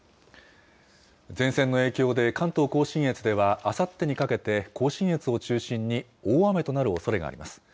前線の影響で、関東甲信越では、あさってにかけて甲信越を中心に大雨となるおそれがあります。